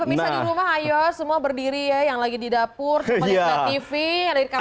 pemirsa di rumah ayo semua berdiri ya yang lagi di dapur kembali ke tv